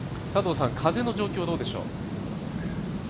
風の状況どうでしょう？